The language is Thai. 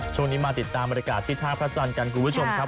ช่วงนี้มาติดตามบรรยากาศที่ท่าพระจันทร์กันคุณผู้ชมครับ